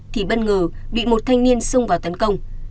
thì bất ngờ bị một thanh niên sung vào tấn công